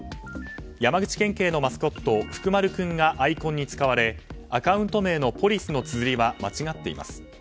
山口県警のマスコットふくまるくんがアイコンに使われアカウント名のポリスのつづりは間違っています。